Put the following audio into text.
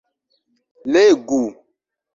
legu